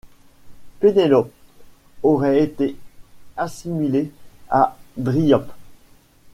Pénélope aurait été assimilée à Dryope.